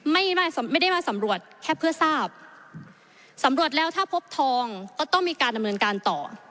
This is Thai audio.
ไม่ได้ไม่ได้มาสำรวจแค่เพื่อทราบสำรวจแล้วถ้าพบทองก็ต้องมีการดำเนินการต่อ